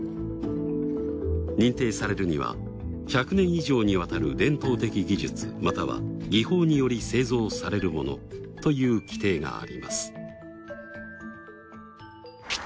認定されるには１００年以上にわたる伝統的技術または技法により製造されるものという規定があります。